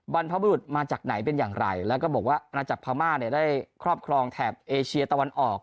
บรรพบรุษมาจากไหนเป็นอย่างไรแล้วก็บอกว่านาจักรพม่าเนี่ยได้ครอบครองแถบเอเชียตะวันออก